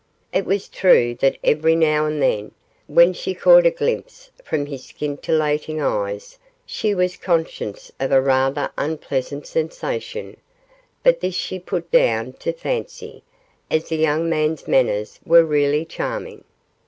It was true that every now and then, when she caught a glimpse from his scintillating eyes, she was conscious of a rather unpleasant sensation, but this she put down to fancy, as the young man's manners were really charming.